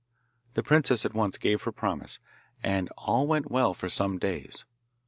The princess at once gave her promise, and all went well for some days.